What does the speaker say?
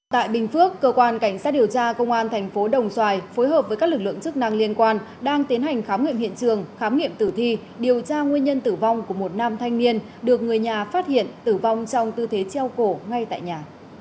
tại bình phước cơ quan cảnh sát điều tra công an thành phố đồng xoài phối hợp với các lực lượng chức năng liên quan đang tiến hành khám nghiệm hiện trường khám nghiệm tử thi điều tra nguyên nhân tử vong của một nam thanh niên được người nhà phát hiện tử vong trong tư thế treo cổ ngay tại nhà